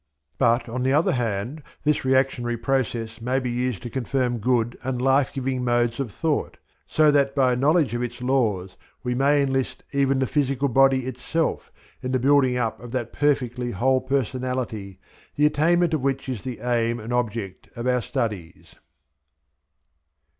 But on the other hand this reactionary process may be used to confirm good and life giving modes of thought, so that by a knowledge of its laws we may enlist even the physical body itself in the building up of that perfectly whole personality, the attainment of which is the aim and object of our studies.